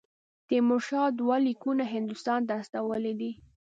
تیمورشاه دوه لیکونه هندوستان ته استولي دي.